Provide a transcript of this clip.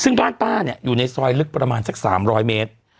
ซึ่งบ้านป้าเนี่ยอยู่ในซอยลึกประมาณสัก๓๐๐เมตร